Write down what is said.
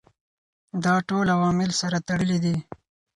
دا ټول عوامل سره تړلي دي.